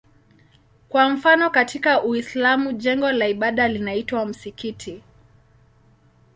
Kwa mfano katika Uislamu jengo la ibada linaitwa msikiti.